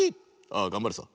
「ああがんばるさ」。